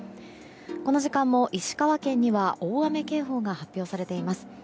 この時間も石川県には大雨警報が発表されています。